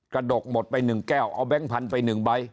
กระดกหมดไปหนึ่งแก้วเอาแบงค์พันไปหนึ่งใบ